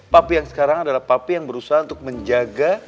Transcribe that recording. papi yang sekarang adalah papi yang berusaha untuk menjaga